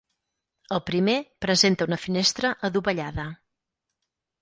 El primer presenta una finestra adovellada.